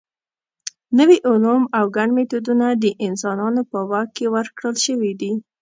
نوي علوم او ګڼ میتودونه د انسانانو په واک کې ورکړل شوي دي.